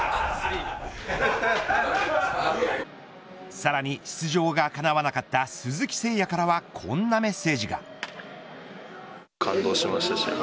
さらに出場がかなわなかった鈴木誠也からはこんなメッセージが。